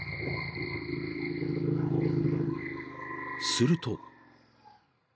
［すると］